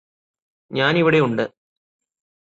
ഞാനിവിടെ ഉണ്ട്